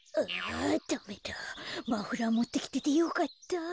ああダメだマフラーもってきててよかった。